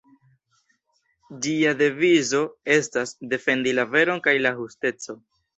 Ĝia devizo estas "Defendi la veron kaj la justeco".